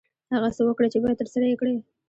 هغه څه وکړه چې باید ترسره یې کړې.